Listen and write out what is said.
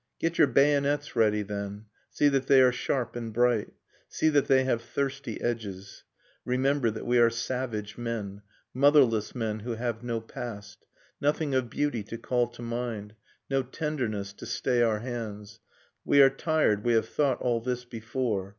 * Get your bayonets ready, then — See that they are sharp and bright, See that they have thirsty edges. Remember that we are savage men, Motherless men who have no past. . Nothing of beauty to call to mind, No tenderness to stay our hands ..... .We are tired, we have thought all this before.